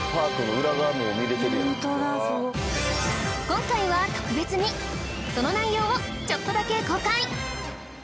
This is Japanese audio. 今回は特別にその内容をちょっとだけ公開！